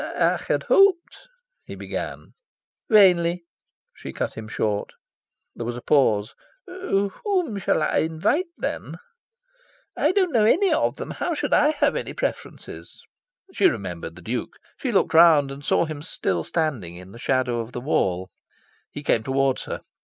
"I had hoped " he began. "Vainly," she cut him short. There was a pause. "Whom shall I invite, then?" "I don't know any of them. How should I have preferences?" She remembered the Duke. She looked round and saw him still standing in the shadow of the wall. He came towards her.